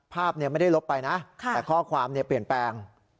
ภาพไม่ได้ลบไปนะแต่ข้อความเปลี่ยนแปลง